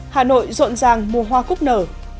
hà nội rộn ràng mua hoa cúc nở